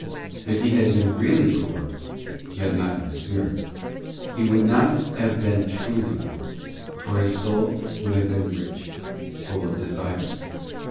Butif he had been really poor, yet not in spirit, he would not have been truly poor, for his soul would have been rich, full of desires.